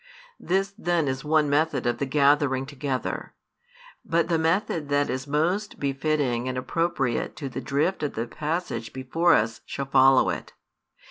This then is one method of the gathering together; but the method that is most befitting and appropriate to the drift of the passage before us shall follow it.